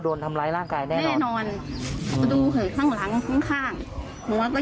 โดนทำร้ายร่างกายแน่แน่นอนดูเถอะข้างหลังข้างข้างหนูว่าก็